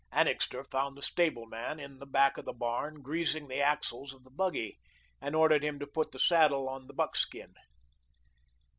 Annixter found the stableman in the back of the barn greasing the axles of the buggy, and ordered him to put the saddle on the buckskin.